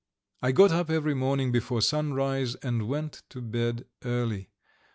I got up every morning before sunrise, and went to bed early.